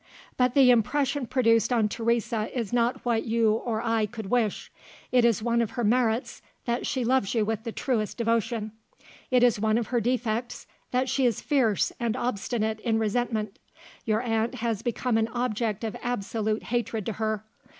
"But the impression produced on Teresa is not what you or I could wish. It is one of her merits, that she loves you with the truest devotion; it is one of her defects, that she is fierce and obstinate in resentment. Your aunt has become an object of absolute hatred to her.